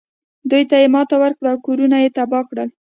دوی ته یې ماتې ورکړه او کورونه یې تباه کړل.